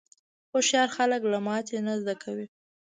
هوښیار خلک له ماتې نه زده کوي.